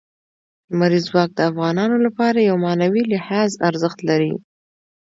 لمریز ځواک د افغانانو لپاره په معنوي لحاظ ارزښت لري.